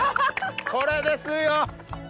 これですよ！